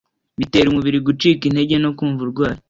bitera umubiri gucika intege no kumva urwaye